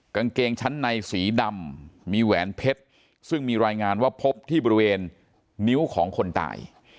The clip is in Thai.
กางเกงชั้นในสีดำมีแหวนเพชรซึ่งมีรายงานว่าพบที่บริเวณนิ้วของคนตาย